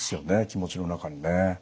気持ちの中にね。